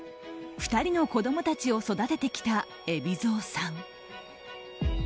２人の子供たちを育ててきた海老蔵さん。